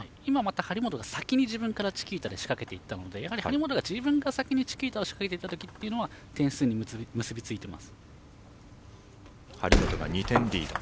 張本が先にチキータで仕掛けていったのでやはり張本が自分が先にチキータを仕掛けた時というのは点数に結びついています。